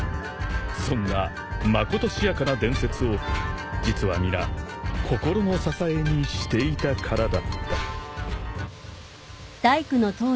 ［そんなまことしやかな伝説を実は皆心の支えにしていたからだった］